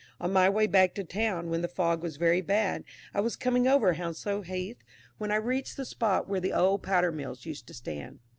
On my way back to town, when the fog was very bad, I was coming over Hounslow Heath when I reached the spot where the old powder mills used to stand.